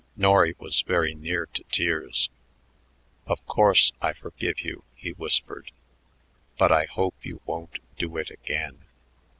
Norry was very near to tears. "Of course, I forgive you," he whispered, "but I hope you won't do it again."